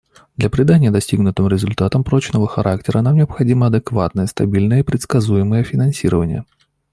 Для придания достигнутым результатам прочного характера нам необходимо адекватное, стабильное и предсказуемое финансирование.